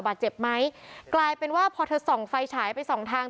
บาดเจ็บไหมกลายเป็นว่าพอเธอส่องไฟฉายไปสองทาง